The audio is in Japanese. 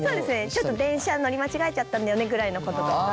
ちょっと電車乗り間違えちゃったんだよねぐらいのこととか。